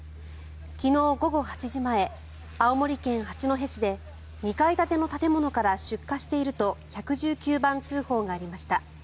昨日午後８時前、青森県八戸市で２階建ての建物から出火していると１１９番通報がありました。